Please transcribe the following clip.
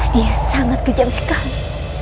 dia sangat kejam sekali